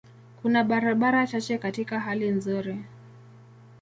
Kuna barabara chache katika hali nzuri.